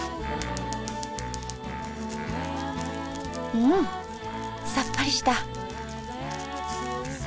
うんさっぱりした。